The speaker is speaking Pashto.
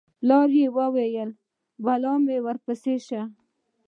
پلار یې وویل: بلا مې ورپسې شه